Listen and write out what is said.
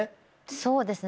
そうですね